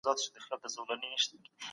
په دغي کیسې کي يو پند دی.